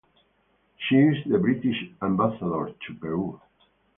She is the British Ambassador to Peru.